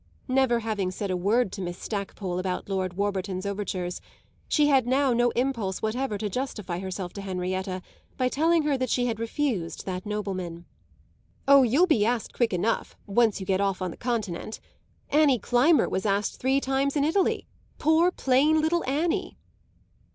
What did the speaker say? Never having said a word to Miss Stackpole about Lord Warburton's overtures, she had now no impulse whatever to justify herself to Henrietta by telling her that she had refused that nobleman. "Oh, you'll be asked quick enough, once you get off on the Continent. Annie Climber was asked three times in Italy poor plain little Annie."